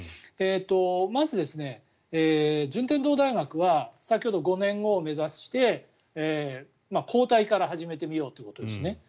まず、順天堂大学は先ほど、５年後を目指して抗体から始めてみようということですね。